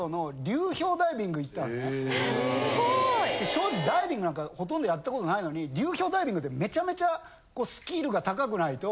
庄司ダイビングなんかほとんどやったことないのに流氷ダイビングってめちゃめちゃスキルが高くないと。